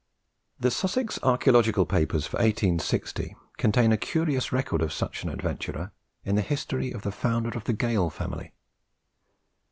The Sussex Archaeological Papers for 1860 contain a curious record of such an adventurer, in the history of the founder of the Gale family.